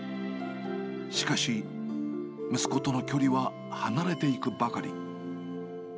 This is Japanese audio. しかし、息子との距離は離れていくばかり。